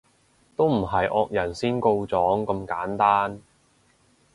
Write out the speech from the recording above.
都唔係惡人先告狀咁簡單